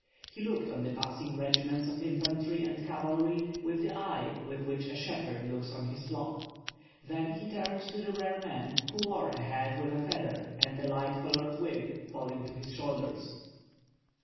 He looked on the passing regiments of infantry and cavalry with the eye with which a shepherd looks on his flock; then he turned to the rear man, who wore a hat with a feather, and a light colored wig falling to his shoulders.